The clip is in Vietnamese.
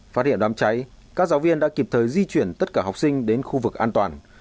phát hiện đám cháy các giáo viên đã kịp thời di chuyển tất cả học sinh đến khu vực an toàn